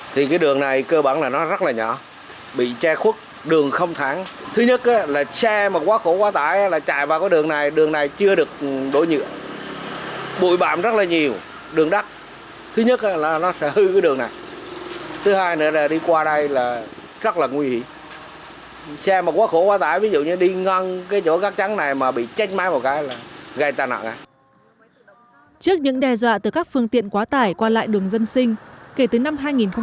trước những đe dọa từ các phương tiện quá tải qua lại đường dân sinh kể từ năm hai nghìn một mươi ba